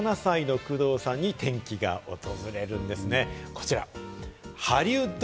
１７歳の工藤さんに転機が訪れます。